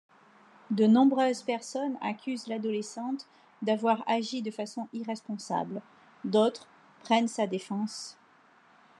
De nombreuses personnes accusent l'adolescente d'avoir agi de façon irresponsable, d'autres prennent sa défense.